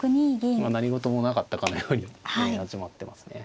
何事もなかったかのように始まってますね。